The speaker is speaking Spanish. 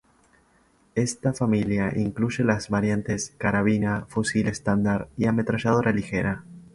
Esta familia incluye las variantes carabina, fusil estándar y ametralladora ligera.